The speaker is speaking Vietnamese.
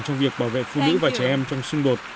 trong việc bảo vệ phụ nữ và trẻ em trong xung đột